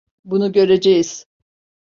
Bunu göreceğiz.